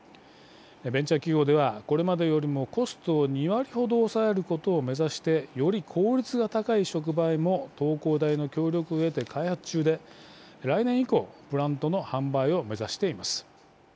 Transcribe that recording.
ベンチャー企業ではこれまでよりもコストを２割ほど抑えることを目指してより効率が高い触媒も東工大の協力を得て開発中で来年以降プラントの販売を目指しています。